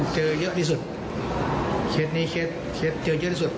เจอเยอะที่สุดเคล็ดนี้เคล็ดเคล็ดเจอเยอะที่สุด